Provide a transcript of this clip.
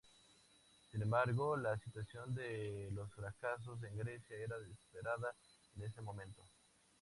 Sin embargo, la situación de los francos en Grecia era desesperada en ese momento.